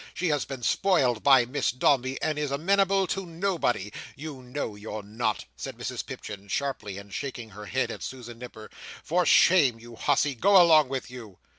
She has been spoiled by Miss Dombey, and is amenable to nobody. You know you're not," said Mrs Pipchin, sharply, and shaking her head at Susan Nipper. "For shame, you hussy! Go along with you!"